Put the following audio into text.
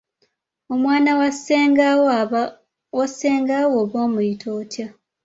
Omwana wa ssengaawo oba omuyita otya?